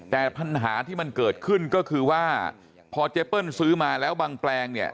แต่ปัญหาที่มันเกิดขึ้นก็คือว่าพอเจเปิ้ลซื้อมาแล้วบางแปลงเนี่ย